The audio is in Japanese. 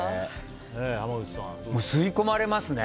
吸い込まれますね。